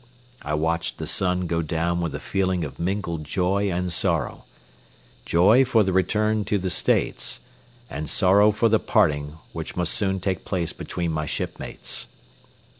I watched the sun go down with a feeling of mingled joy and sorrow, joy for the return to the States, and sorrow for the parting which must soon take place between my shipmates.